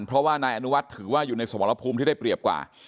เพราะว่านายอนุวัฒน์ถือว่าอยู่ในสมรภูมิที่ได้เปรียบกว่า